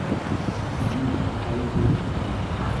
Ана, атайың килеп туҡтаны.